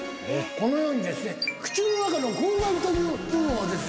このようにですね口の中の口蓋というものをですね